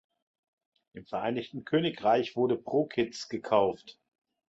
Im Vereinigtes Königreich wurde "Prokits" gekauft.